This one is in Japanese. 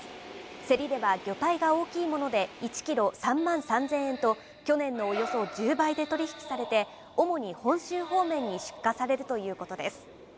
競りでは魚体が大きいもので、１キロ３万３０００円と、去年のおよそ１０倍で取り引きされて、主に本州方面に出荷されるということです。